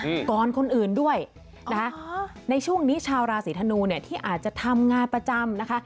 ก่อนคนอื่นด้วยนะคะในช่วงนี้ชาวราศีธนูเนี่ยที่อาจจะทำงานประจำนะคะ